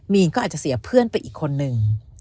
มีนก็อาจจะเสียเพื่อนไปอีกคนนึง